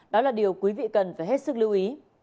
đó là điều quý vị cần phải hết sức lưu ý